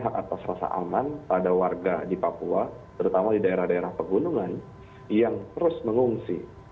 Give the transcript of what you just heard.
hak atas rasa aman pada warga di papua terutama di daerah daerah pegunungan yang terus mengungsi